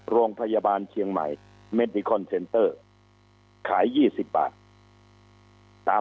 โรงพยาบาลเชียงใหม่เมดดิคอนเซนเตอร์ขาย๒๐บาทตาม